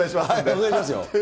お願いしますよ。